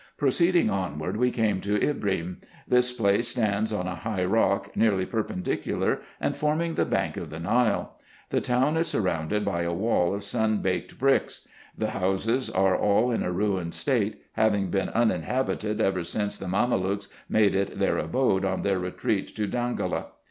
Proceeding onward, we came to Ibrim. This place stands on a high rock, nearly perpendicular, and forming the bank of the Nile. The town is surrounded by a wall of sun baked bricks. The houses are all in a ruined state, having been uninhabited ever since the Mamelukes made it their abode on their retreat to Danffola.